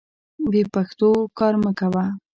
بې پښتو کار مه کوه.